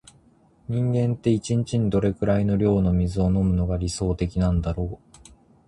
人間って、一日にどれくらいの量の水を飲むのが理想的なんだろう。